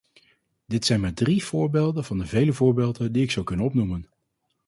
Dit zijn maar drie voorbeelden van de vele voorbeelden die ik zou kunnen opnoemen.